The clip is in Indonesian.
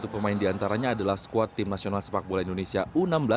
dua puluh satu pemain di antaranya adalah squad timnasional sepak bola indonesia u enam belas